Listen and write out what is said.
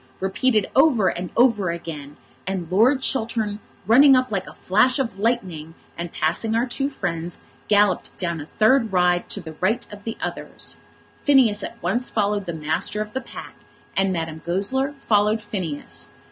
repeated over and over again, and Lord Chiltern, running up like a flash of lightning, and passing our two friends, galloped down a third ride to the right of the others. Phineas at once followed the master of the pack, and Madame Goesler followed Phineas.